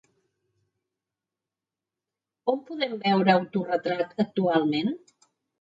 On podem veure autoretrat actualment?